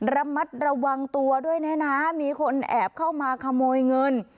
ระมัดระวังตัวด้วยนะมีคนแอบเข้ามาขโมยเงิน